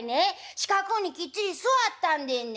四角うにきっちり座ったんでんねん。